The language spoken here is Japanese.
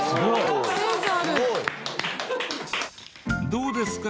どうですか？